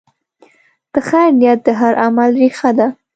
د خیر نیت د هر عمل ریښه ده.